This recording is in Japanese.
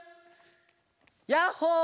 ヤッホー！